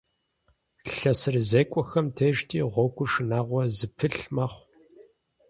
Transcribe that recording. ЛъэсырызекӀуэхэм дежкӀи гъуэгур шынагъуэ зыпылъ мэхъу.